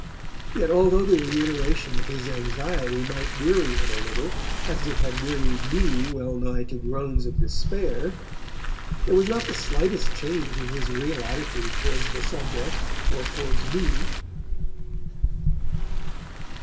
Yet, although the reiteration of his anxiety might weary him a little as it had wearied me well nigh to groans of despair, there was not the slightest change in his real attitude towards the subject or towards me.